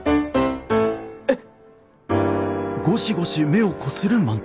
えっ。